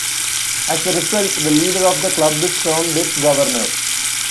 As a result, the leader of the club is termed its "Governor".